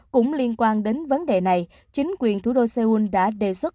cũng liên quan đến vấn đề này chính quyền thủ đô seoul đã đề xuất